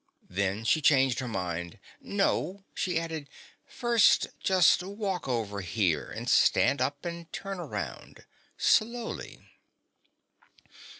Then she changed her mind. "No," she added. "First just walk over here, stand up and turn around. Slowly."